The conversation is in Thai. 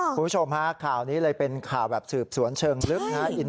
คุณผู้ชมฮะข่าวนี้เลยเป็นข่าวแบบสืบสวนเชิงลึกนะฮะ